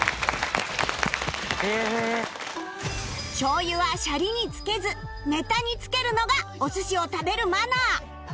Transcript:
しょう油はシャリにつけずネタにつけるのがお寿司を食べるマナー！